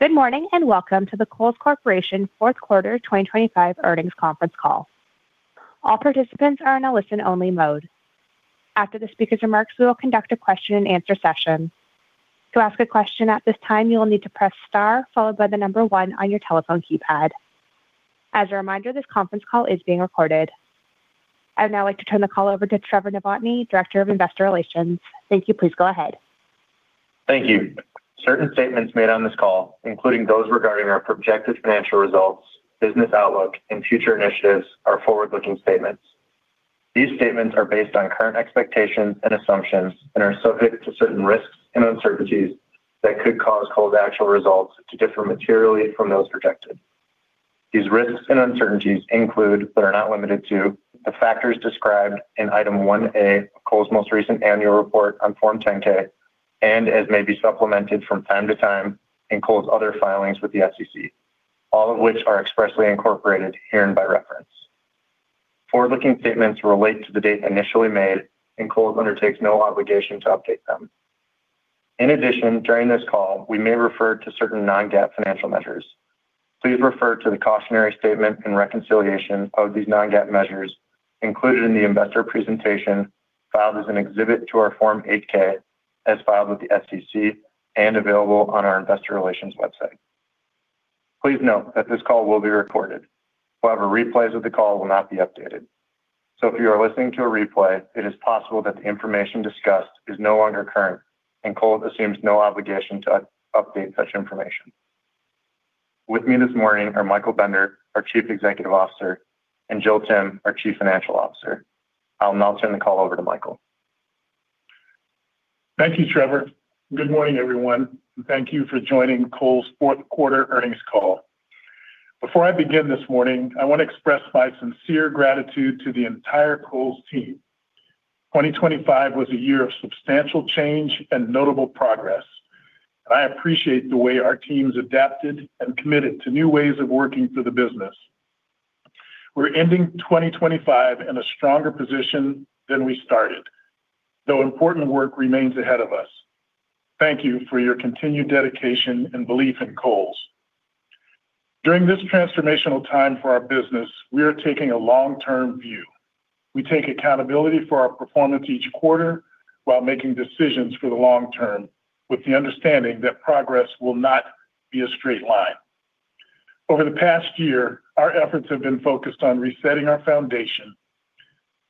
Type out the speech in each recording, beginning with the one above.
Good morning, and welcome to the Kohl's Corporation fourth quarter 2025 earnings conference call. All participants are in a listen-only mode. After the speaker's remarks, we will conduct a question-and-answer session. To ask a question at this time, you will need to press star followed by the number one on your telephone keypad. As a reminder, this conference call is being recorded. I'd now like to turn the call over to Trevor Novotny, Director of Investor Relations. Thank you. Please go ahead. Thank you. Certain statements made on this call, including those regarding our projected financial results, business outlook, and future initiatives are forward-looking statements. These statements are based on current expectations and assumptions and are subject to certain risks and uncertainties that could cause Kohl's actual results to differ materially from those projected. These risks and uncertainties include, but are not limited to, the factors described in Item 1A of Kohl's most recent annual report on Form 10-K and as may be supplemented from time to time in Kohl's other filings with the SEC, all of which are expressly incorporated herein by reference. Forward-looking statements relate to the date initially made, and Kohl's undertakes no obligation to update them. In addition, during this call, we may refer to certain non-GAAP financial measures. Please refer to the cautionary statement and reconciliation of these non-GAAP measures included in the investor presentation filed as an exhibit to our Form 8-K as filed with the SEC and available on our investor relations website. Please note that this call will be recorded. However, replays of the call will not be updated. If you are listening to a replay, it is possible that the information discussed is no longer current, and Kohl's assumes no obligation to update such information. With me this morning are Michael Bender, our Chief Executive Officer, and Jill Timm, our Chief Financial Officer. I'll now turn the call over to Michael. Thank you, Trevor. Good morning, everyone, and thank you for joining Kohl's fourth quarter earnings call. Before I begin this morning, I want to express my sincere gratitude to the entire Kohl's team. 2025 was a year of substantial change and notable progress. I appreciate the way our teams adapted and committed to new ways of working for the business. We're ending 2025 in a stronger position than we started, though important work remains ahead of us. Thank you for your continued dedication and belief in Kohl's. During this transformational time for our business, we are taking a long-term view. We take accountability for our performance each quarter while making decisions for the long term with the understanding that progress will not be a straight line. Over the past year, our efforts have been focused on resetting our foundation.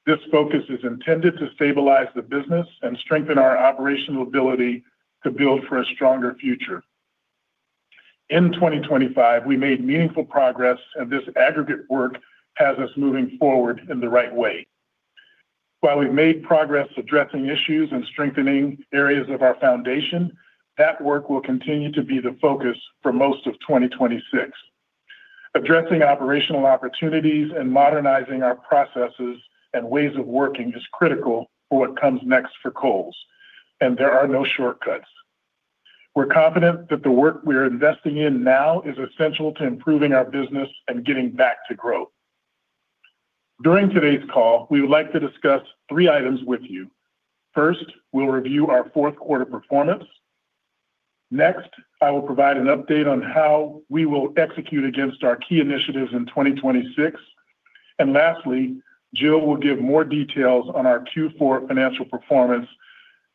This focus is intended to stabilize the business and strengthen our operational ability to build for a stronger future. In 2025, we made meaningful progress, and this aggregate work has us moving forward in the right way. While we've made progress addressing issues and strengthening areas of our foundation, that work will continue to be the focus for most of 2026. Addressing operational opportunities and modernizing our processes and ways of working is critical for what comes next for Kohl's, and there are no shortcuts. We're confident that the work we're investing in now is essential to improving our business and getting back to growth. During today's call, we would like to discuss three items with you. First, we'll review our fourth quarter performance. Next, I will provide an update on how we will execute against our key initiatives in 2026. Lastly, Jill will give more details on our Q4 financial performance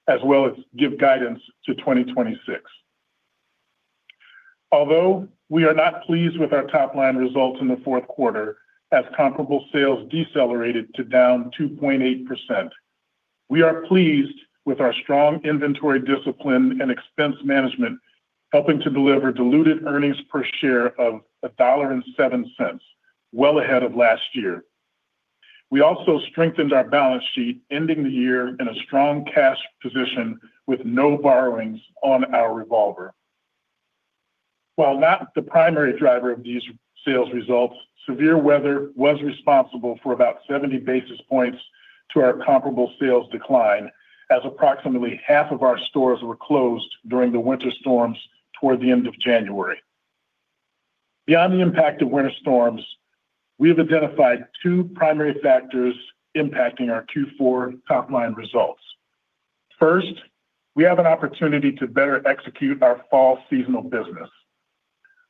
as well as give guidance to 2026. Although we are not pleased with our top-line results in the fourth quarter as comparable sales decelerated to down 2.8%, we are pleased with our strong inventory discipline and expense management, helping to deliver diluted earnings per share of $1.07, well ahead of last year. We also strengthened our balance sheet, ending the year in a strong cash position with no borrowings on our revolver. While not the primary driver of these sales results, severe weather was responsible for about 70 basis points to our comparable sales decline as approximately half of our stores were closed during the winter storms toward the end of January. Beyond the impact of winter storms, we have identified two primary factors impacting our Q4 top-line results. First, we have an opportunity to better execute our fall seasonal business.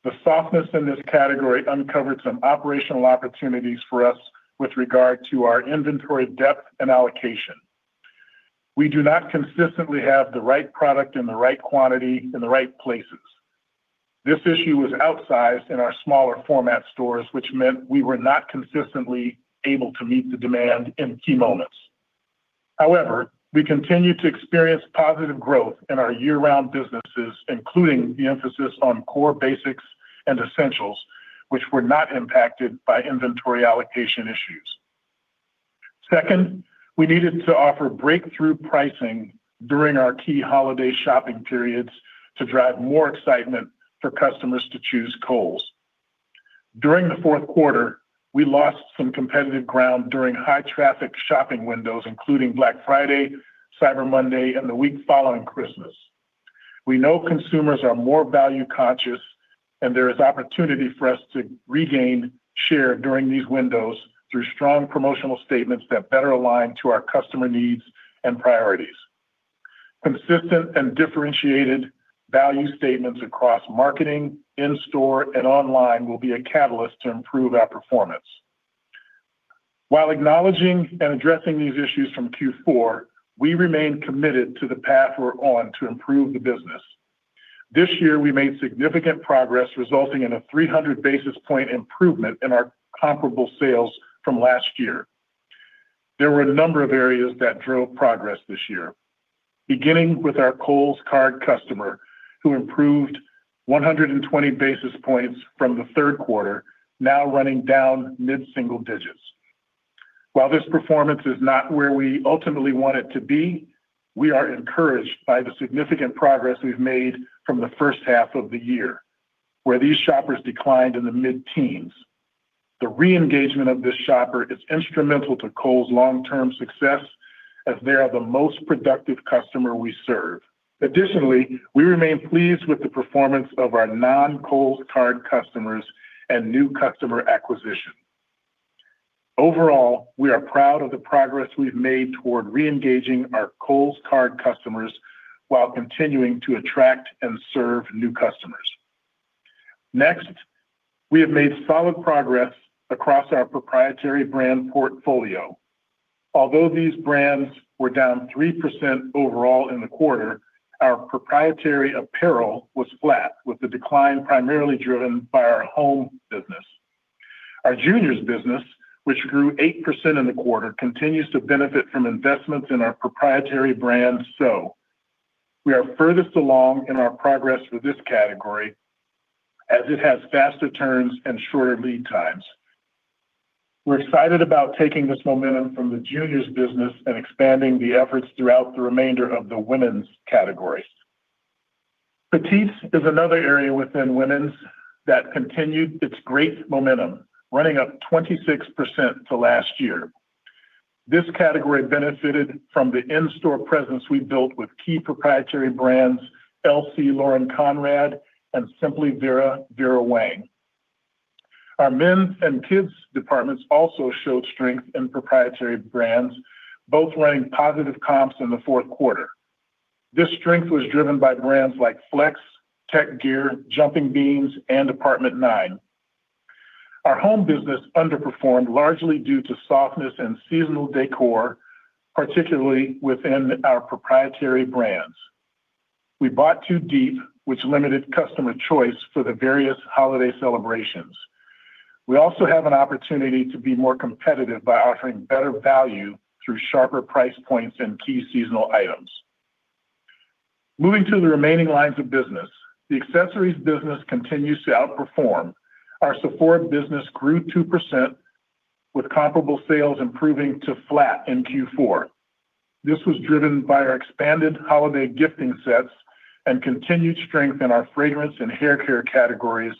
The softness in this category uncovered some operational opportunities for us with regard to our inventory depth and allocation. We do not consistently have the right product in the right quantity in the right places. This issue was outsized in our smaller format stores, which meant we were not consistently able to meet the demand in key moments. However, we continue to experience positive growth in our year-round businesses, including the emphasis on core basics and essentials, which were not impacted by inventory allocation issues. Second, we needed to offer breakthrough pricing during our key holiday shopping periods to drive more excitement for customers to choose Kohl's. During the fourth quarter, we lost some competitive ground during high traffic shopping windows, including Black Friday, Cyber Monday, and the week following Christmas. We know consumers are more value-conscious, and there is opportunity for us to regain share during these windows through strong promotional statements that better align to our customer needs and priorities. Consistent and differentiated value statements across marketing, in-store, and online will be a catalyst to improve our performance. While acknowledging and addressing these issues from Q4, we remain committed to the path we're on to improve the business. This year, we made significant progress, resulting in a 300 basis point improvement in our comparable sales from last year. There were a number of areas that drove progress this year, beginning with our Kohl's Card customer, who improved 120 basis points from the third quarter, now running down mid-single digits. While this performance is not where we ultimately want it to be, we are encouraged by the significant progress we've made from the first half of the year, where these shoppers declined in the mid-teens. The re-engagement of this shopper is instrumental to Kohl's long-term success as they are the most productive customer we serve. Additionally, we remain pleased with the performance of our non-Kohl's Card customers and new customer acquisition. Overall, we are proud of the progress we've made toward re-engaging our Kohl's Card customers while continuing to attract and serve new customers. Next, we have made solid progress across our proprietary brand portfolio. Although these brands were down 3% overall in the quarter, our proprietary apparel was flat, with the decline primarily driven by our home business. Our juniors business, which grew 8% in the quarter, continues to benefit from investments in our proprietary brand SO. We are furthest along in our progress with this category as it has faster turns and shorter lead times. We're excited about taking this momentum from the juniors business and expanding the efforts throughout the remainder of the women's category. Petites is another area within women's that continued its great momentum, running up 26% to last year. This category benefited from the in-store presence we built with key proprietary brands LC Lauren Conrad and Simply Vera Vera Wang. Our men's and kids' departments also showed strength in proprietary brands, both running positive comps in the fourth quarter. This strength was driven by brands like FLX, Tek Gear, Jumping Beans, and Apt. 9. Our home business underperformed largely due to softness in seasonal decor, particularly within our proprietary brands. We bought too deep, which limited customer choice for the various holiday celebrations We also have an opportunity to be more competitive by offering better value through sharper price points in key seasonal items. Moving to the remaining lines of business, the accessories business continues to outperform. Our Sephora business grew 2%, with comparable sales improving to flat in Q4. This was driven by our expanded holiday gifting sets and continued strength in our fragrance and hair care categories,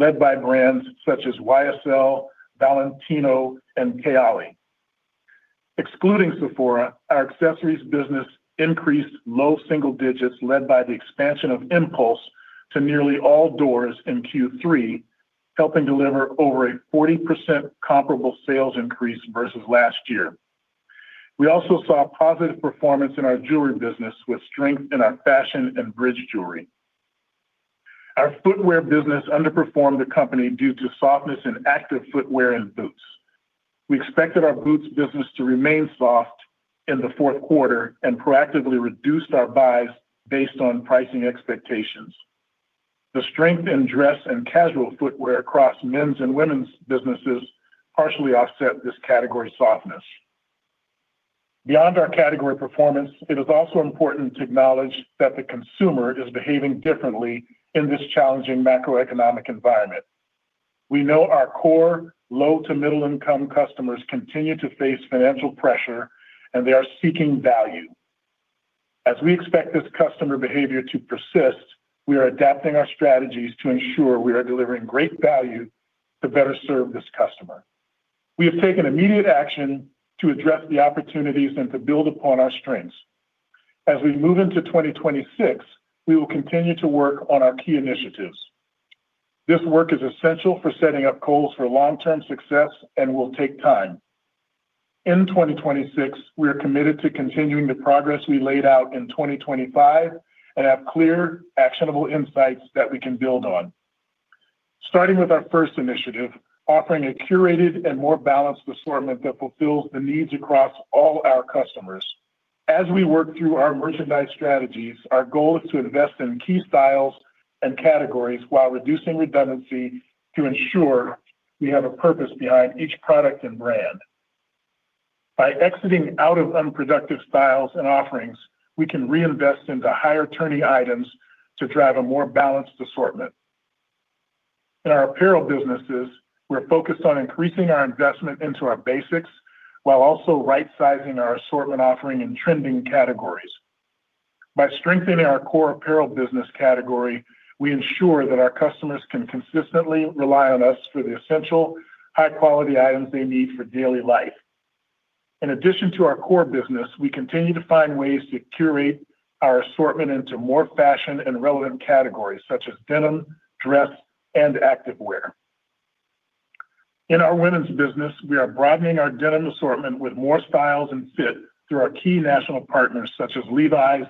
led by brands such as YSL, Valentino, and OUAI. Excluding Sephora, our accessories business increased low single digits led by the expansion of Impulse to nearly all doors in Q3, helping deliver over a 40% comparable sales increase versus last year. We also saw positive performance in our jewelry business with strength in our fashion and bridge jewelry. Our footwear business underperformed the company due to softness in active footwear and boots. We expected our boots business to remain soft in the fourth quarter and proactively reduced our buys based on pricing expectations. The strength in dress and casual footwear across men's and women's businesses partially offset this category softness. Beyond our category performance, it is also important to acknowledge that the consumer is behaving differently in this challenging macroeconomic environment. We know our core low to middle-income customers continue to face financial pressure, and they are seeking value. As we expect this customer behavior to persist, we are adapting our strategies to ensure we are delivering great value to better serve this customer. We have taken immediate action to address the opportunities and to build upon our strengths. As we move into 2026, we will continue to work on our key initiatives. This work is essential for setting up Kohl's for long-term success and will take time. In 2026, we are committed to continuing the progress we laid out in 2025 and have clear, actionable insights that we can build on. Starting with our first initiative, offering a curated and more balanced assortment that fulfills the needs across all our customers. As we work through our merchandise strategies, our goal is to invest in key styles and categories while reducing redundancy to ensure we have a purpose behind each product and brand. By exiting out of unproductive styles and offerings, we can reinvest into higher turning items to drive a more balanced assortment. In our apparel businesses, we're focused on increasing our investment into our basics while also right-sizing our assortment offering in trending categories. By strengthening our core apparel business category, we ensure that our customers can consistently rely on us for the essential high-quality items they need for daily life. In addition to our core business, we continue to find ways to curate our assortment into more fashion and relevant categories such as denim, dress, and active wear. In our women's business, we are broadening our denim assortment with more styles and fits through our key national partners such as Levi's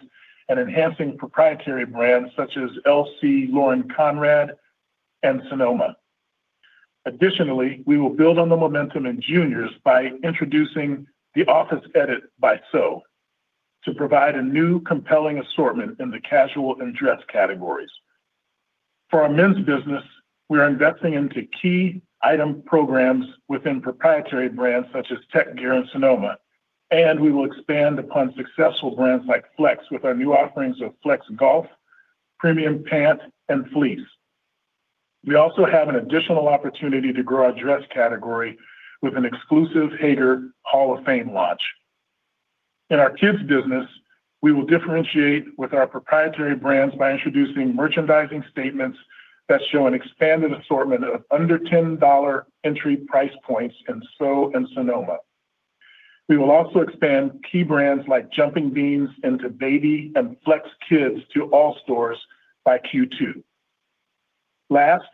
and enhancing proprietary brands such as LC Lauren Conrad and Sonoma. Additionally, we will build on the momentum in juniors by introducing the Office Edit by SO to provide a new compelling assortment in the casual and dress categories. For our men's business, we are investing into key item programs within proprietary brands such as Tek Gear and Sonoma, and we will expand upon successful brands like FLX with our new offerings of FLX Golf, Premium Pant, and Fleece. We also have an additional opportunity to grow our dress category with an exclusive Haggar Hall of Fame launch. In our kids business, we will differentiate with our proprietary brands by introducing merchandising statements that show an expanded assortment of under $10 entry price points in SO and Sonoma. We will also expand key brands like Jumping Beans into Baby and FLX Kids to all stores by Q2. Last,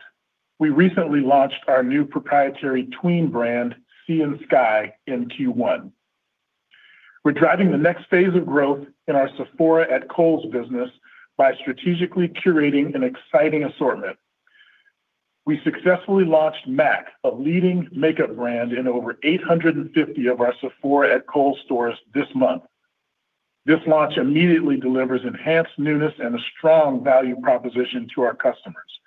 we recently launched our new proprietary tween brand, Sea and Skye, in Q1. We're driving the next phase of growth in our Sephora at Kohl's business by strategically curating an exciting assortment. We successfully launched MAC, a leading makeup brand in over 850 of our Sephora at Kohl's stores this month. This launch immediately delivers enhanced newness and a strong value proposition to our customers.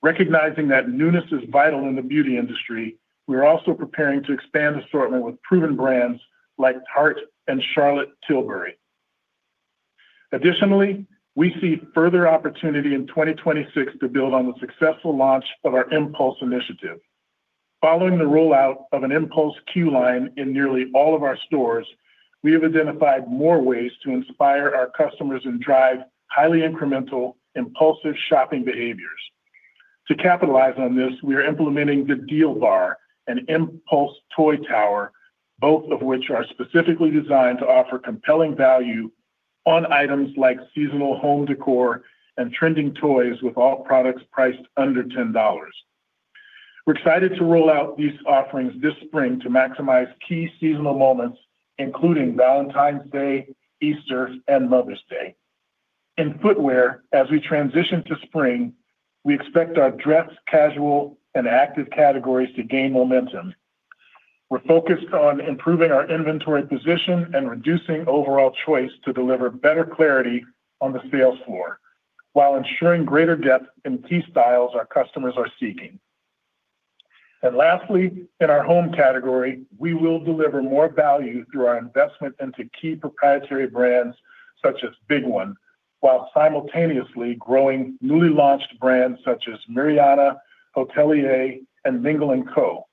Recognizing that newness is vital in the beauty industry, we are also preparing to expand assortment with proven brands like Tarte and Charlotte Tilbury. Additionally, we see further opportunity in 2026 to build on the successful launch of our impulse initiative. Following the rollout of an impulse queue line in nearly all of our stores, we have identified more ways to inspire our customers and drive highly incremental, impulsive shopping behaviors. To capitalize on this, we are implementing the Deal Bar and Impulse Toy Tower, both of which are specifically designed to offer compelling value on items like seasonal home decor and trending toys with all products priced under $10. We're excited to roll out these offerings this spring to maximize key seasonal moments, including Valentine's Day, Easter, and Mother's Day. In footwear, as we transition to spring, we expect our dress, casual, and active categories to gain momentum. We're focused on improving our inventory position and reducing overall choice to deliver better clarity on the sales floor while ensuring greater depth in key styles our customers are seeking. Lastly, in our home category, we will deliver more value through our investment into key proprietary brands such as The Big One, while simultaneously growing newly launched brands such as Miryana, Hotelier, and Mingle & Co.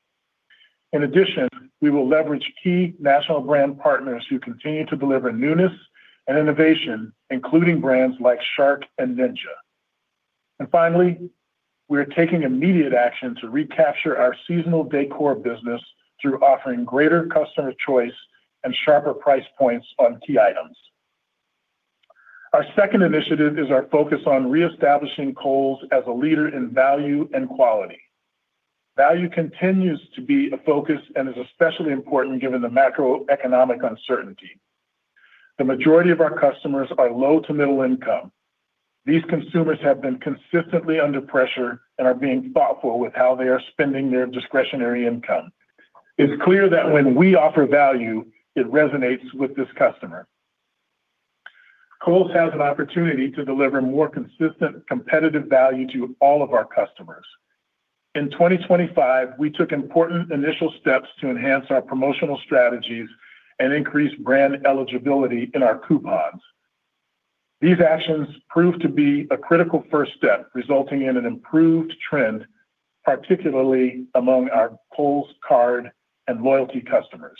In addition, we will leverage key national brand partners who continue to deliver newness and innovation, including brands like Shark and Ninja. Finally, we are taking immediate action to recapture our seasonal decor business through offering greater customer choice and sharper price points on key items. Our second initiative is our focus on reestablishing Kohl's as a leader in value and quality. Value continues to be a focus and is especially important given the macroeconomic uncertainty. The majority of our customers are low to middle income. These consumers have been consistently under pressure and are being thoughtful with how they are spending their discretionary income. It's clear that when we offer value, it resonates with this customer. Kohl's has an opportunity to deliver more consistent, competitive value to all of our customers. In 2025, we took important initial steps to enhance our promotional strategies and increase brand eligibility in our coupons. These actions proved to be a critical first step, resulting in an improved trend, particularly among our Kohl's Card and loyalty customers.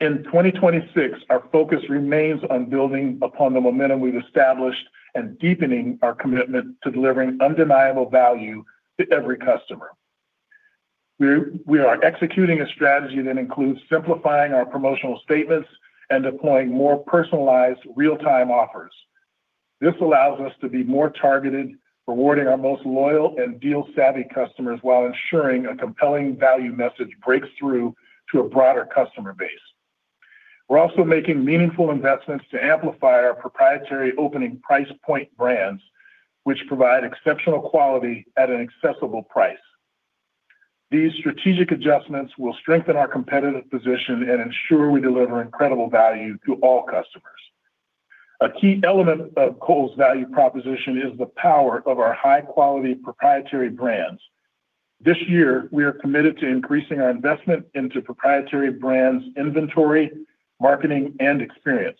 In 2026, our focus remains on building upon the momentum we've established and deepening our commitment to delivering undeniable value to every customer. We are executing a strategy that includes simplifying our promotional statements and deploying more personalized real-time offers. This allows us to be more targeted, rewarding our most loyal and deal-savvy customers while ensuring a compelling value message breaks through to a broader customer base. We're also making meaningful investments to amplify our proprietary opening price point brands, which provide exceptional quality at an accessible price. These strategic adjustments will strengthen our competitive position and ensure we deliver incredible value to all customers. A key element of Kohl's value proposition is the power of our high-quality proprietary brands. This year, we are committed to increasing our investment into proprietary brands inventory, marketing, and experience.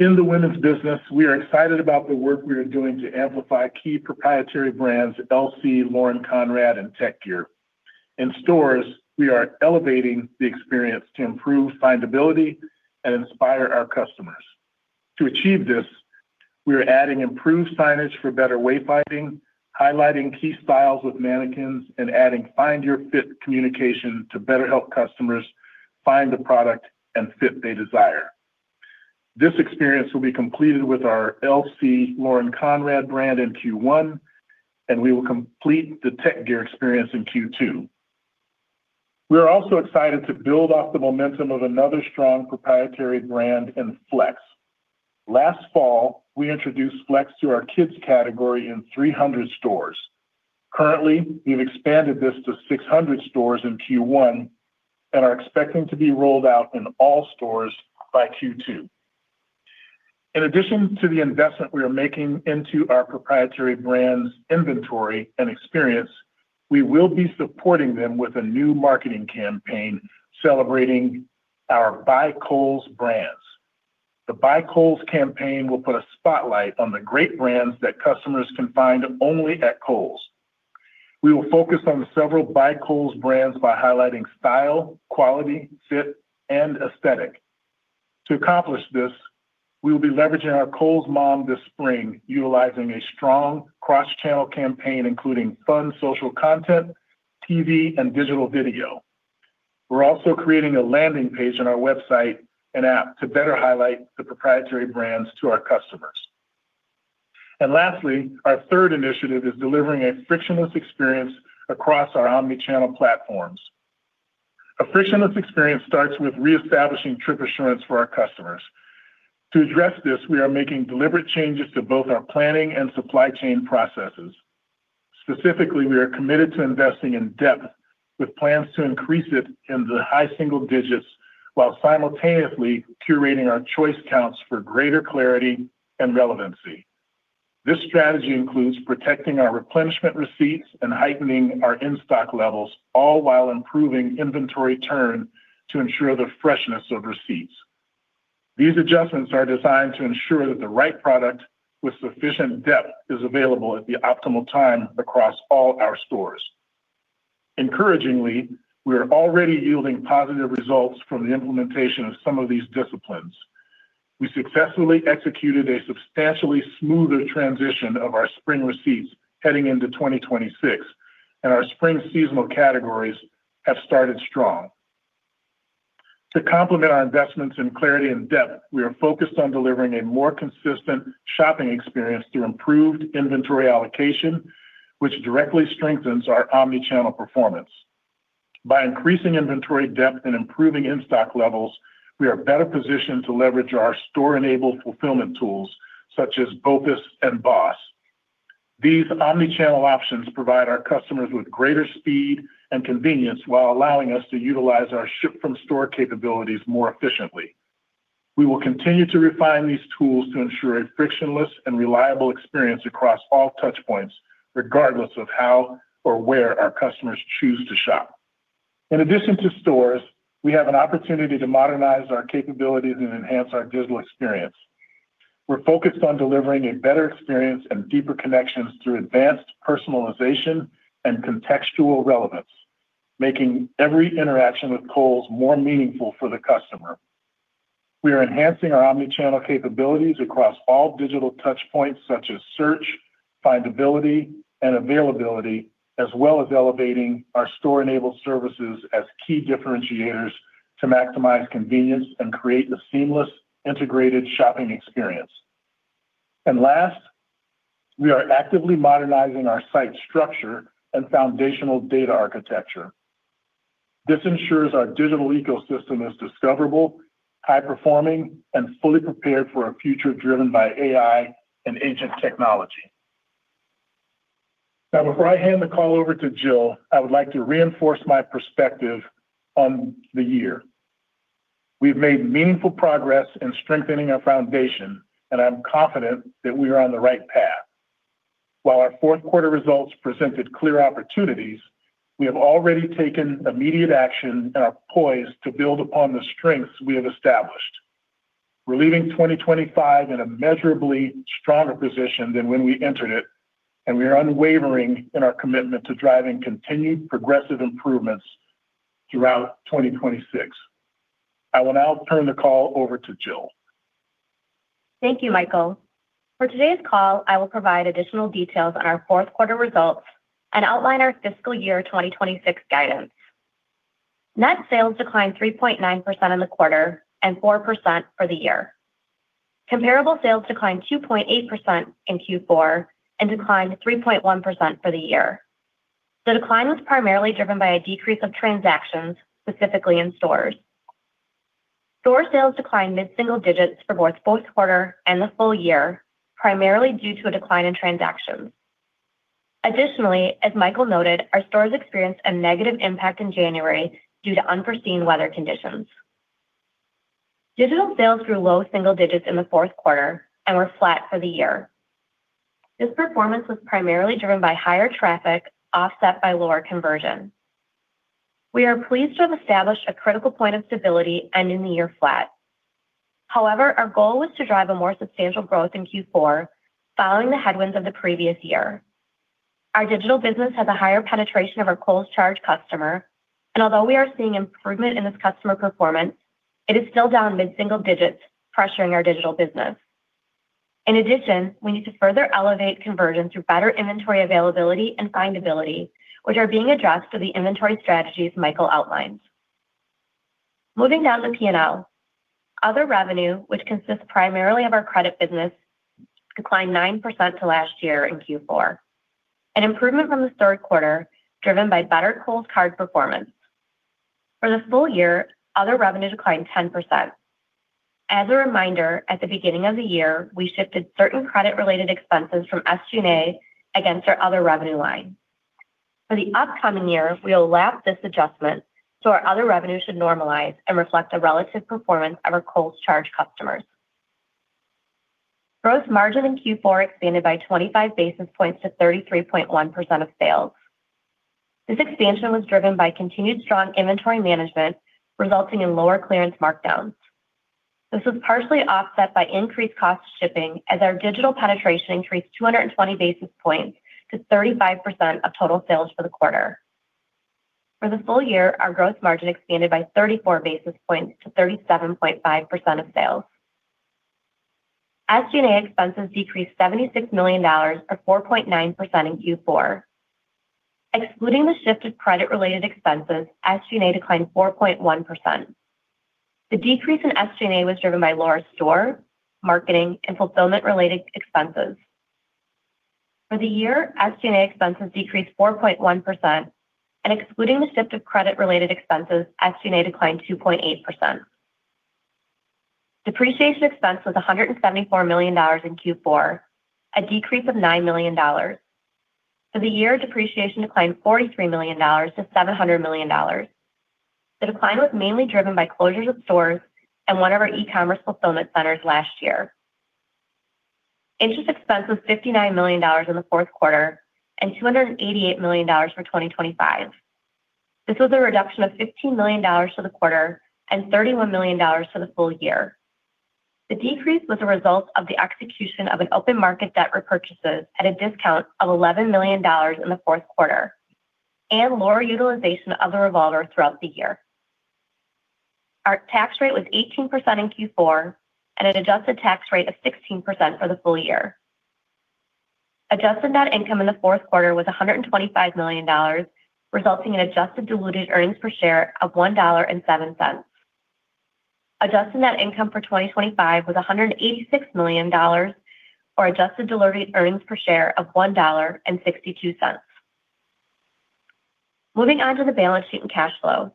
In the women's business, we are excited about the work we are doing to amplify key proprietary brands, LC Lauren Conrad and Tek Gear. In stores, we are elevating the experience to improve findability and inspire our customers. To achieve this, we are adding improved signage for better wayfinding, highlighting key styles with mannequins, and adding Find Your Fit communication to better help customers find the product and fit they desire. This experience will be completed with our LC Lauren Conrad brand in Q1, and we will complete the Tek Gear experience in Q2. We are also excited to build off the momentum of another strong proprietary brand in FLX. Last fall, we introduced FLX to our kids category in 300 stores. Currently, we've expanded this to 600 stores in Q1 and are expecting to be rolled out in all stores by Q2. In addition to the investment we are making into our proprietary brands inventory and experience, we will be supporting them with a new marketing campaign celebrating our By Kohl's brands. The By Kohl's campaign will put a spotlight on the great brands that customers can find only at Kohl's. We will focus on several By Kohl's brands by highlighting style, quality, fit, and aesthetic. To accomplish this, we will be leveraging our Kohl's Mom this spring, utilizing a strong cross-channel campaign, including fun social content, TV, and digital video. We're also creating a landing page on our website and app to better highlight the proprietary brands to our customers. Lastly, our third initiative is delivering a frictionless experience across our omni-channel platforms. A frictionless experience starts with reestablishing trip assurance for our customers. To address this, we are making deliberate changes to both our planning and supply chain processes. Specifically, we are committed to investing in depth with plans to increase it in the high single digits while simultaneously curating our choice counts for greater clarity and relevancy. This strategy includes protecting our replenishment receipts and heightening our in-stock levels, all while improving inventory turn to ensure the freshness of receipts. These adjustments are designed to ensure that the right product with sufficient depth is available at the optimal time across all our stores. Encouragingly, we are already yielding positive results from the implementation of some of these disciplines. We successfully executed a substantially smoother transition of our spring receipts heading into 2026, and our spring seasonal categories have started strong. To complement our investments in clarity and depth, we are focused on delivering a more consistent shopping experience through improved inventory allocation, which directly strengthens our omni-channel performance. By increasing inventory depth and improving in-stock levels, we are better positioned to leverage our store-enabled fulfillment tools such as BOPUS and BOSS. These omni-channel options provide our customers with greater speed and convenience while allowing us to utilize our ship-from-store capabilities more efficiently. We will continue to refine these tools to ensure a frictionless and reliable experience across all touch points, regardless of how or where our customers choose to shop. In addition to stores, we have an opportunity to modernize our capabilities and enhance our digital experience. We're focused on delivering a better experience and deeper connections through advanced personalization and contextual relevance, making every interaction with Kohl's more meaningful for the customer. We are enhancing our omni-channel capabilities across all digital touchpoints such as search, findability, and availability, as well as elevating our store-enabled services as key differentiators to maximize convenience and create a seamless, integrated shopping experience. Last, we are actively modernizing our site structure and foundational data architecture. This ensures our digital ecosystem is discoverable, high-performing, and fully prepared for a future driven by AI and agent technology. Now, before I hand the call over to Jill, I would like to reinforce my perspective on the year. We've made meaningful progress in strengthening our foundation, and I'm confident that we are on the right path. While our fourth quarter results presented clear opportunities, we have already taken immediate action and are poised to build upon the strengths we have established. We're leaving 2025 in a measurably stronger position than when we entered it, and we are unwavering in our commitment to driving continued progressive improvements throughout 2026. I will now turn the call over to Jill. Thank you, Michael. For today's call, I will provide additional details on our fourth quarter results and outline our fiscal year 2026 guidance. Net sales declined 3.9% in the quarter and 4% for the year. Comparable sales declined 2.8% in Q4 and declined 3.1% for the year. The decline was primarily driven by a decrease of transactions, specifically in stores. Store sales declined mid-single digits for both fourth quarter and the full year, primarily due to a decline in transactions. Additionally, as Michael noted, our stores experienced a negative impact in January due to unforeseen weather conditions. Digital sales grew low single digits in the fourth quarter and were flat for the year. This performance was primarily driven by higher traffic offset by lower conversion. We are pleased to have established a critical point of stability ending the year flat. However, our goal was to drive a more substantial growth in Q4 following the headwinds of the previous year. Our digital business has a higher penetration of our Kohl's Card customer, and although we are seeing improvement in this customer performance, it is still down mid-single digits, pressuring our digital business. In addition, we need to further elevate conversion through better inventory availability and findability, which are being addressed through the inventory strategies Michael outlined. Moving down the P&L, other revenue, which consists primarily of our credit business, declined 9% to last year in Q4, an improvement from the third quarter, driven by better Kohl's Card performance. For the full year, other revenue declined 10%. As a reminder, at the beginning of the year, we shifted certain credit-related expenses from SG&A to our other revenue line. For the upcoming year, we will lap this adjustment, so our other revenue should normalize and reflect the relative performance of our Kohl's charge customers. Gross margin in Q4 expanded by 25 basis points to 33.1% of sales. This expansion was driven by continued strong inventory management, resulting in lower clearance markdowns. This was partially offset by increased shipping costs as our digital penetration increased 220 basis points to 35% of total sales for the quarter. For the full year, our gross margin expanded by 34 basis points to 37.5% of sales. SG&A expenses decreased $76 million, or 4.9% in Q4. Excluding the shift of credit-related expenses, SG&A declined 4.1%. The decrease in SG&A was driven by lower store, marketing, and fulfillment-related expenses. For the year, SG&A expenses decreased 4.1%, and excluding the shift of credit-related expenses, SG&A declined 2.8%. Depreciation expense was $174 million in Q4, a decrease of $9 million. For the year, depreciation declined $43 million- $700 million. The decline was mainly driven by closures of stores and one of our e-commerce fulfillment centers last year. Interest expense was $59 million in the fourth quarter and $288 million for 2025. This was a reduction of $15 million for the quarter and $31 million for the full year. The decrease was a result of the execution of an open market debt repurchases at a discount of $11 million in the fourth quarter and lower utilization of the revolver throughout the year. Our tax rate was 18% in Q4 and an adjusted tax rate of 16% for the full year. Adjusted net income in the fourth quarter was $125 million, resulting in adjusted diluted earnings per share of $1.07. Adjusted net income for 2024 was $186 million or adjusted diluted earnings per share of $1.62. Moving on to the balance sheet and cash flow.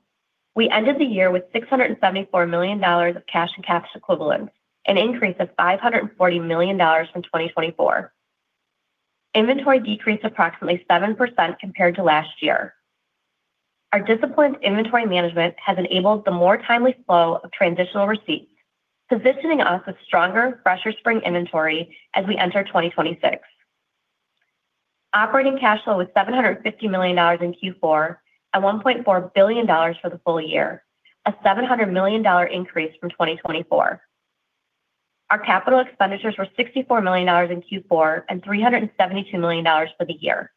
We ended the year with $674 million of cash and cash equivalents, an increase of $540 million from 2024. Inventory decreased approximately 7% compared to last year. Our disciplined inventory management has enabled the more timely flow of transitional receipts, positioning us with stronger, fresher spring inventory as we enter 2026. Operating cash flow was $750 million in Q4 and $1.4 billion for the full year, a $700 million increase from 2024. Our capital expenditures were $64 million in Q4 and $372 million for the year.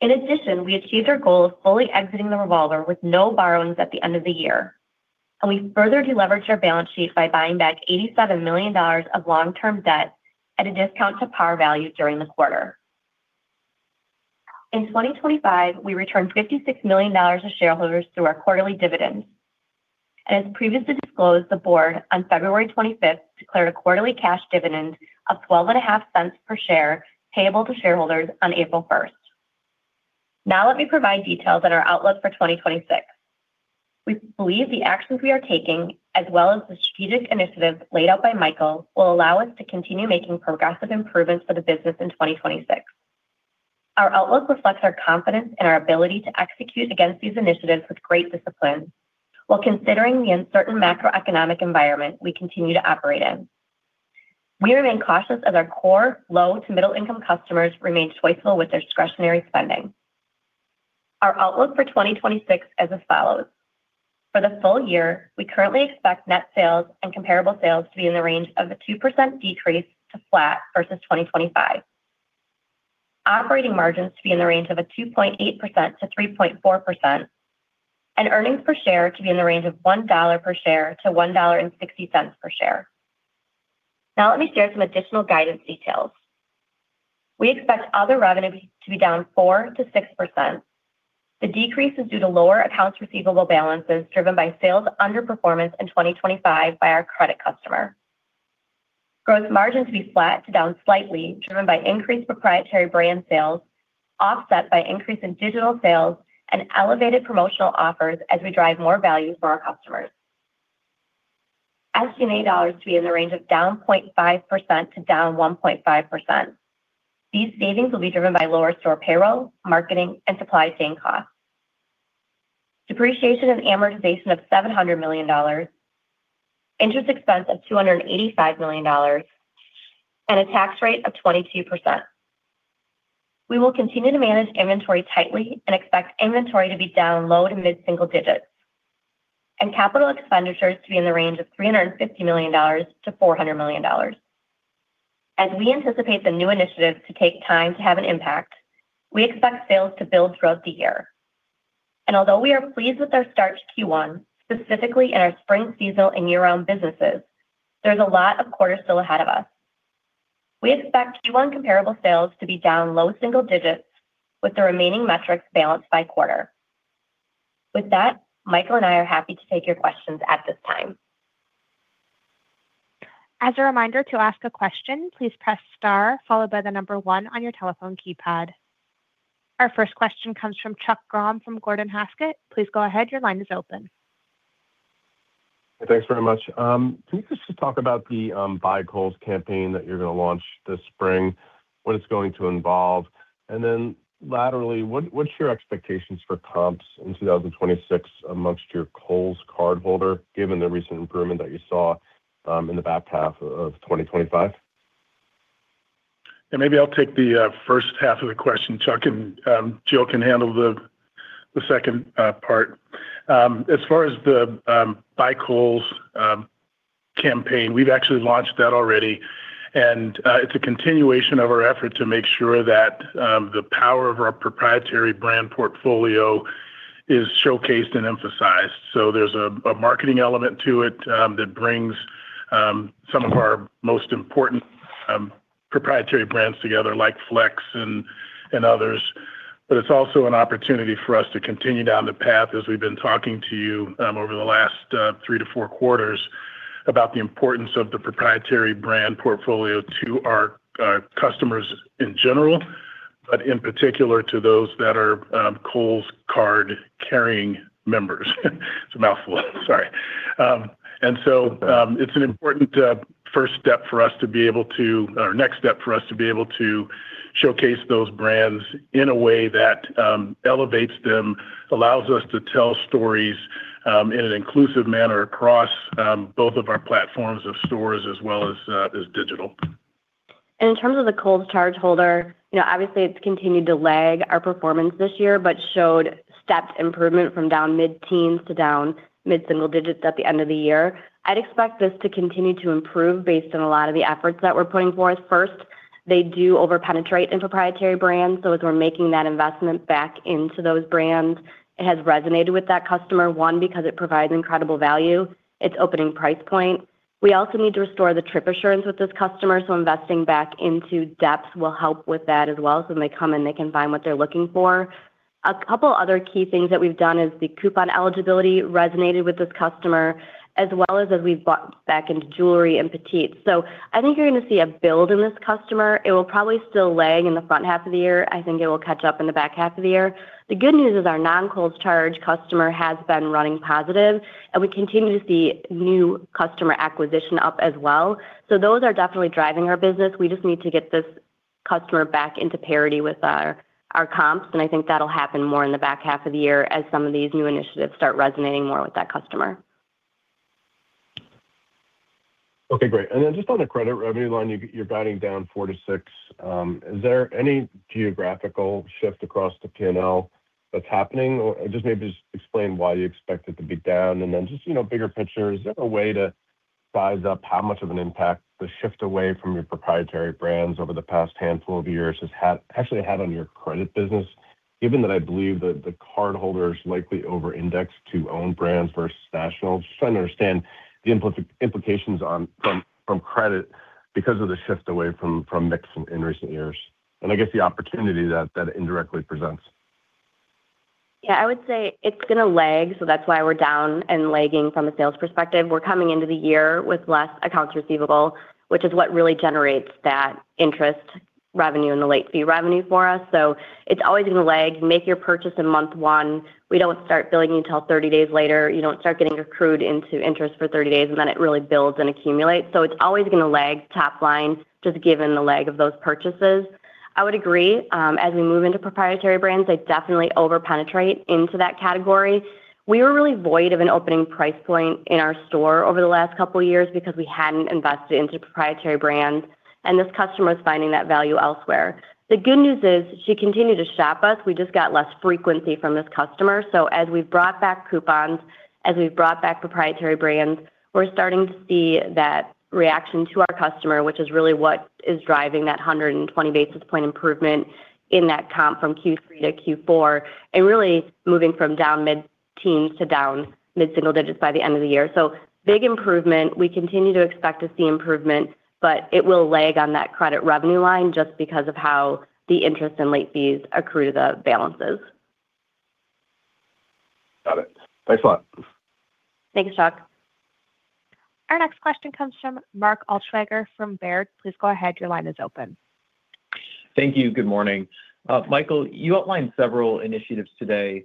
In addition, we achieved our goal of fully exiting the revolver with no borrowings at the end of the year, and we further deleveraged our balance sheet by buying back $87 million of long-term debt at a discount to par value during the quarter. In 2025, we returned $56 million to shareholders through our quarterly dividend As previously disclosed, the board on February 25th declared a quarterly cash dividend of $0.125 per share payable to shareholders on April 1st. Now let me provide details on our outlook for 2026. We believe the actions we are taking, as well as the strategic initiatives laid out by Michael, will allow us to continue making progressive improvements for the business in 2026. Our outlook reflects our confidence in our ability to execute against these initiatives with great discipline while considering the uncertain macroeconomic environment we continue to operate in. We remain cautious as our core low to middle-income customers remain choiceful with their discretionary spending. Our outlook for 2026 is as follows. For the full year, we currently expect net sales and comparable sales to be in the range of a 2% decrease to flat versus 2025. Operating margins to be in the range of 2.8%-3.4%, and earnings per share to be in the range of $1-$1.60 per share. Now let me share some additional guidance details. We expect other revenue to be down 4%-6%. The decrease is due to lower accounts receivable balances driven by sales underperformance in 2025 by our credit customer. Gross margin to be flat to down slightly, driven by increased proprietary brand sales, offset by increase in digital sales and elevated promotional offers as we drive more value for our customers. SG&A dollars to be in the range of down 0.5%-1.5%. These savings will be driven by lower store payroll, marketing, and supply chain costs. Depreciation and amortization of $700 million, interest expense of $285 million, and a tax rate of 22%. We will continue to manage inventory tightly and expect inventory to be down low- to mid-single digits%, and capital expenditures to be in the range of $350 million-$400 million. As we anticipate the new initiatives to take time to have an impact, we expect sales to build throughout the year. Although we are pleased with our start to Q1, specifically in our spring seasonal and year-round businesses, there's a lot of the quarter still ahead of us. We expect Q1 comparable sales to be down low single digits, with the remaining metrics balanced by quarter. With that, Michael and I are happy to take your questions at this time. As a reminder, to ask a question, please press star followed by the number one on your telephone keypad. Our first question comes from Chuck Grom from Gordon Haskett. Please go ahead. Your line is open. Thanks very much. Can you just talk about the By Kohl's campaign that you're gonna launch this spring, what it's going to involve? Then alternatively, what's your expectations for comps in 2026 among your Kohl's cardholder, given the recent improvement that you saw in the back half of 2025? Yeah, maybe I'll take the first half of the question, Chuck, and Jill can handle the second part. As far as the By Kohl's campaign, we've actually launched that already, and it's a continuation of our effort to make sure that the power of our proprietary brand portfolio is showcased and emphasized. So there's a marketing element to it that brings some of our most important proprietary brands together, like FLX and others. But it's also an opportunity for us to continue down the path as we've been talking to you over the last three-four quarters about the importance of the proprietary brand portfolio to our customers in general, but in particular to those that are Kohl's Card-carrying members. It's a mouthful, sorry. It's an important first step for us to be able to, or next step for us to be able to, showcase those brands in a way that elevates them, allows us to tell stories in an inclusive manner across both of our platforms of stores as well as digital. In terms of the Kohl's charge holder, you know, obviously it's continued to lag our performance this year, but showed stepped improvement from down mid-teens to down mid-single digits at the end of the year. I'd expect this to continue to improve based on a lot of the efforts that we're putting forth. First, they do over-penetrate in proprietary brands, so as we're making that investment back into those brands, it has resonated with that customer, one, because it provides incredible value. It's opening price point. We also need to restore the trip assurance with this customer, so investing back into depth will help with that as well, so when they come in, they can find what they're looking for. A couple other key things that we've done is the coupon eligibility resonated with this customer, as well as we've bought back into jewelry and petite. I think you're gonna see a build in this customer. It will probably still lag in the front half of the year. I think it will catch up in the back half of the year. The good news is our non-Kohl's charge customer has been running positive, and we continue to see new customer acquisition up as well. Those are definitely driving our business. We just need to get this customer back into parity with our comps, and I think that'll happen more in the back half of the year as some of these new initiatives start resonating more with that customer. Okay, great. Just on the credit revenue line, you're guiding down 4%-6%. Is there any geographical shift across the P&L that's happening? Just explain why you expect it to be down. Just, you know, bigger picture, is there a way to size up how much of an impact the shift away from your proprietary brands over the past handful of years has actually had on your credit business, given that I believe that the cardholders likely over-index to own brands versus national? Just trying to understand the implications from credit because of the shift away from mix in recent years, and I guess the opportunity that that indirectly presents. Yeah, I would say it's gonna lag, so that's why we're down and lagging from a sales perspective. We're coming into the year with less accounts receivable, which is what really generates that interest revenue and the late fee revenue for us. It's always gonna lag. Make your purchase in month one. We don't start billing you till 30 days later. You don't start getting accrued into interest for 30 days, and then it really builds and accumulates. It's always gonna lag top line just given the lag of those purchases. I would agree, as we move into proprietary brands, they definitely over-penetrate into that category. We were really void of an opening price point in our store over the last couple years because we hadn't invested into proprietary brands, and this customer was finding that value elsewhere. The good news is she continued to shop us. We just got less frequency from this customer. As we've brought back coupons, as we've brought back proprietary brands, we're starting to see that reaction to our customer, which is really what is driving that 100 basis points improvement in that comp from Q3-Q4 and really moving from down mid-teens to down mid-single digits by the end of the year. Big improvement. We continue to expect to see improvement, but it will lag on that credit revenue line just because of how the interest and late fees accrue to the balances. Got it. Thanks a lot. Thank you, Chuck. Our next question comes from Mark Altschwager from Baird. Please go ahead. Your line is open. Thank you. Good morning. Michael, you outlined several initiatives today.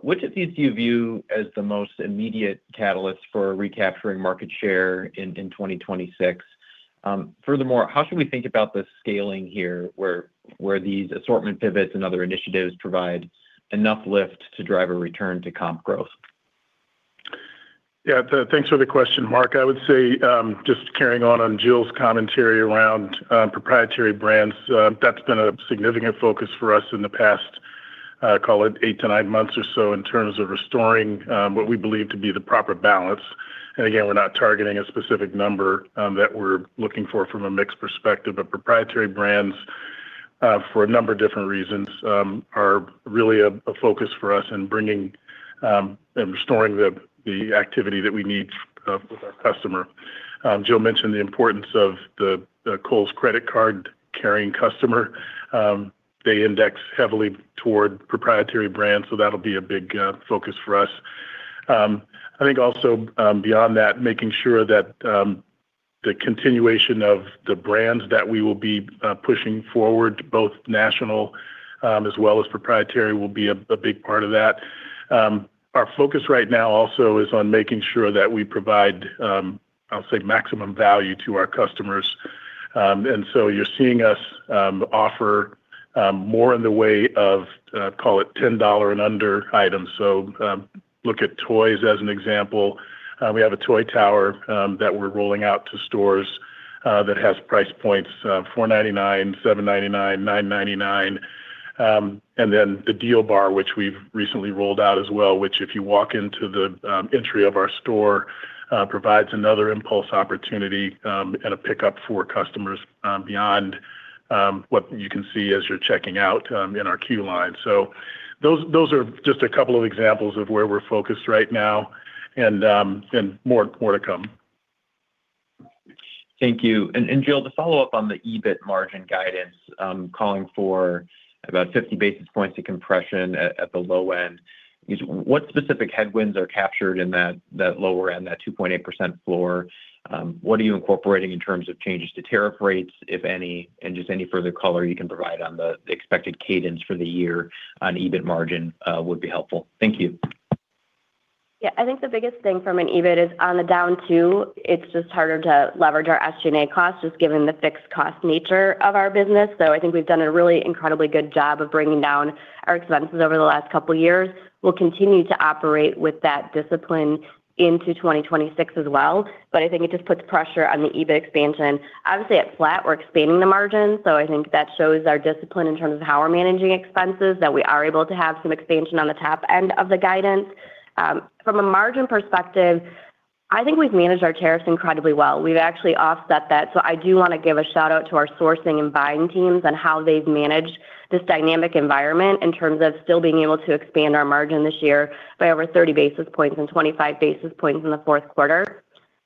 Which of these do you view as the most immediate catalyst for recapturing market share in 2026? Furthermore, how should we think about the scaling here, where these assortment pivots and other initiatives provide enough lift to drive a return to comp growth? Yeah, thanks for the question, Mark. I would say, just carrying on Jill's commentary around proprietary brands, that's been a significant focus for us in the past, call it eight-nine months or so in terms of restoring what we believe to be the proper balance. Again, we're not targeting a specific number that we're looking for from a mix perspective, but proprietary brands, for a number of different reasons, are really a focus for us in bringing and restoring the activity that we need with our customer. Jill mentioned the importance of the Kohl's Credit Card-carrying customer. They index heavily toward proprietary brands, so that'll be a big focus for us. I think also, beyond that, making sure that the continuation of the brands that we will be pushing forward, both national as well as proprietary, will be a big part of that. Our focus right now also is on making sure that we provide, I'll say, maximum value to our customers. You're seeing us offer more in the way of, call it $10 and under items. Look at toys as an example. We have an Impulse Toy Tower that we're rolling out to stores that has price points of $4.99, $7.99, $9.99. Then the Deal Bar, which we've recently rolled out as well, which if you walk into the entry of our store, provides another Impulse opportunity, and a pickup for customers, beyond what you can see as you're checking out, in our queue line. Those are just a couple of examples of where we're focused right now and more to come. Thank you. Jill, to follow up on the EBIT margin guidance, calling for about 50 basis points of compression at the low end, what specific headwinds are captured in that lower end, that 2.8% floor? What are you incorporating in terms of changes to tariff rates, if any? Just any further color you can provide on the expected cadence for the year on EBIT margin would be helpful. Thank you. Yeah. I think the biggest thing from an EBIT is on the down 2%, it's just harder to leverage our SG&A costs just given the fixed cost nature of our business. I think we've done a really incredibly good job of bringing down our expenses over the last couple years. We'll continue to operate with that discipline into 2026 as well. I think it just puts pressure on the EBIT expansion. Obviously, at flat, we're expanding the margin, so I think that shows our discipline in terms of how we're managing expenses, that we are able to have some expansion on the top end of the guidance. From a margin perspective, I think we've managed our tariffs incredibly well. We've actually offset that. I do wanna give a shout-out to our sourcing and buying teams on how they've managed this dynamic environment in terms of still being able to expand our margin this year by over 30 basis points and 25 basis points in the fourth quarter.